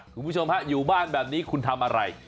คุณผู้ชมฮะอยู่บ้านแบบนี้คุณทำอะไร